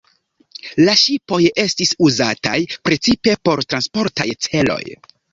La ŝipoj estis uzataj precipe por transportaj celoj.